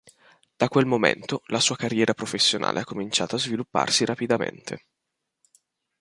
Da quel momento la sua carriera professionale ha cominciato a svilupparsi rapidamente.